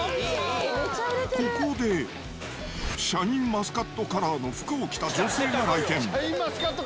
ここで、シャインマスカットカラーの服を着た女性が来店。